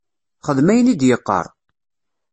Xdem ayen i d-yeqqar!